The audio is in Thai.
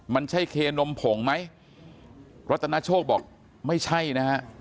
มันใช่เคนมผงไหมรัตนาโชคบอกไม่ใช่นะฮะ